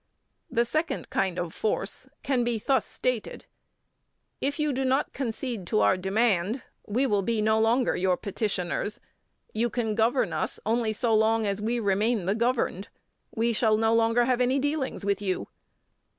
The second kind of force can thus be stated: "If you do not concede our demand, we will be no longer your petitioners. You can govern us only so long as we remain the governed; we shall no longer have any dealings with you."